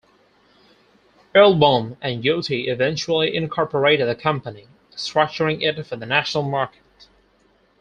Erlbaum and Youtie eventually incorporated the company, structuring it for the national market.